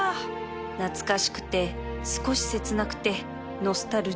懐かしくて少し切なくてノスタルジック